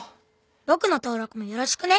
僕の登録もよろしくね。